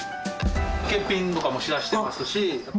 欠品とかもしだしてますし。